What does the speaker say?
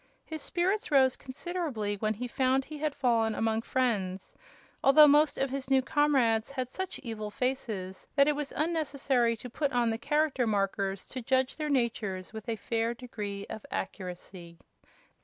His spirits rose considerably when he found he had fallen among friends, although most of his new comrades had such evil faces that it was unnecessary to put on the Character Markers to judge their natures with a fair degree of accuracy.